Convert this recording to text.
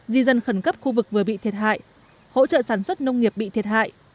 di dân khẩn cấp khu vực vừa bị thiệt hại hỗ trợ sản xuất nông nghiệp bị thiệt hại